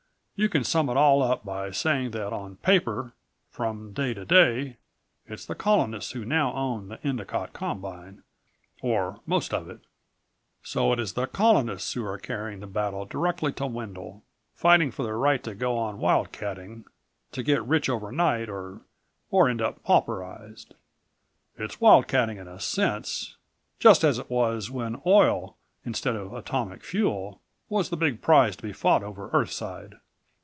You can sum it all up by saying that on paper, from day to day, it's the Colonists who now own the Endicott Combine, or most of it. So it's the Colonists who are carrying the battle directly to Wendel, fighting for the right to go on wildcatting, to get rich overnight or end up pauperized. It's wildcatting in a sense, just as it was when oil instead of atomic fuel was the big prize to be fought over Earthside.